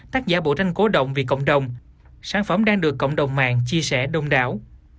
tác giả bộ tranh cổ động vì cộng đồng sáng phóng đang được cộng đồng mạng chia sẻ đông đảo